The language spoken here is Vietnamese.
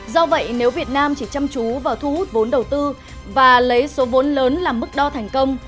do vậy nếu việt nam chỉ chăm chú vào thu hút vốn đầu tư và lấy số vốn lớn làm mức đo thành công